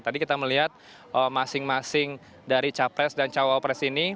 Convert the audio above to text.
tadi kita melihat masing masing dari capres dan cawapres ini